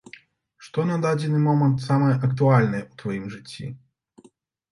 Што на дадзены момант самае актуальнае ў тваім жыцці?